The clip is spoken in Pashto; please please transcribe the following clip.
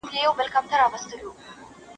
پلار ئې مخکي لا د شیطان یادونه ورته وکړه.